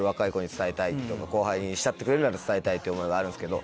後輩に慕ってくれるなら伝えたいって思いがあるんですけど。